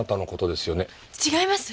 違います！